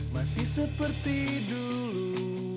masih seperti dulu